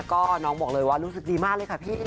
ก็น้องบอกเลยว่ารู้สึกดีมากเลยค่ะพี่